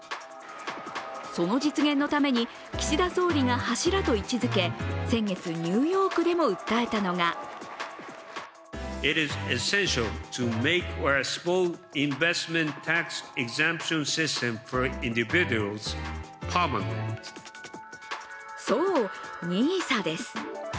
その実現のために岸田総理が柱と位置づけ、先月、ニューヨークでも訴えたのがそう、ＮＩＳＡです。